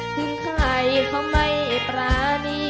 ถึงใครเขาไม่ปรานี